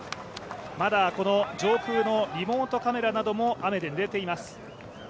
まだ上空のリモートカメラなども雨で濡れています。